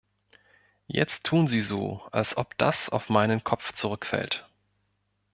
Jetzt tun Sie so, als ob das auf meinen Kopf zurückfällt.